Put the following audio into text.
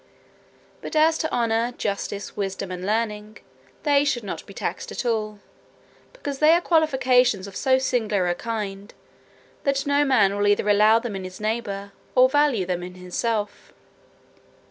But as to honour, justice, wisdom, and learning, they should not be taxed at all; because they are qualifications of so singular a kind, that no man will either allow them in his neighbour or value them in himself.